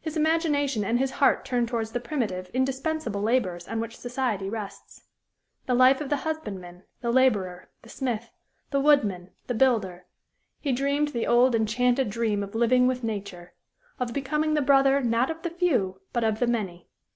His imagination and his heart turned towards the primitive, indispensable labors on which society rests the life of the husbandman, the laborer, the smith, the woodman, the builder; he dreamed the old, enchanted dream of living with nature; of becoming the brother not of the few, but of the many.